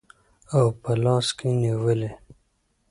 او په لاس کې نیولي